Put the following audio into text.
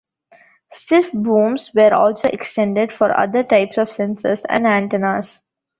Stiff booms were also extended for other types of sensors and antennas.